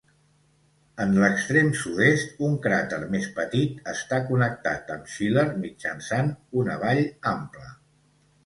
En l'extrem sud-est, un cràter més petit està connectat amb Schiller mitjançant una vall ampla.